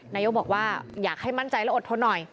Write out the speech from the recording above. นายกบอกว่าอยากให้มั่นใจและอดทนหน่อย